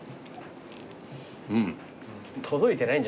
うん。